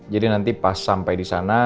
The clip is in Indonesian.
jadi nanti pas sampai disana